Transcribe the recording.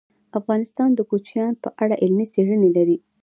افغانستان د کوچیان په اړه علمي څېړنې لري.